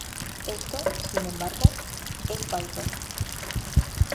Esto, sin embargo, es falso.